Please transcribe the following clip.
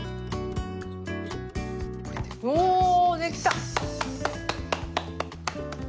おできた！